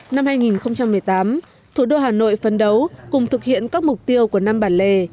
năm hai nghìn một mươi tám thủ đô hà nội phấn đấu cùng thực hiện các mục tiêu của năm bản lề